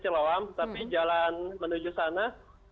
siloam tapi jalan menuju sana